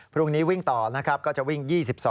พรุ่งนี้วิ่งต่อนะครับก็จะวิ่ง๒๒